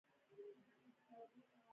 خوځنده بهیر د بنسټونو د بدلون پایله وه.